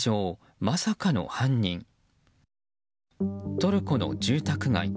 トルコの住宅街。